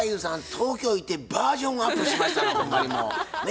東京行ってバージョンアップしましたなほんまにもうね。